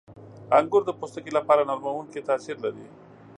• انګور د پوستکي لپاره نرمونکی تاثیر لري.